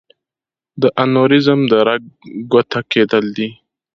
د انوریزم د رګ ګوټه کېدل دي.